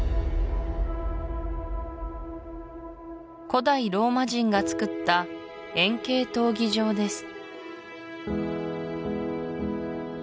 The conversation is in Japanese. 古代ローマ人がつくった円形闘技場です